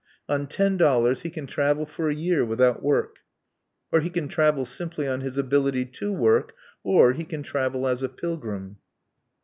On ten dollars he can travel for a year without work, or he can travel simply on his ability to work, or he can travel as a pilgrim.